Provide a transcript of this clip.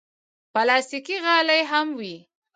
پلاستيکي غالۍ هم وي.